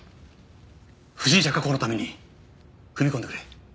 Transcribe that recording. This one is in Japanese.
不審者確保のために踏み込んでくれ。